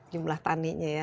delapan jumlah taninya ya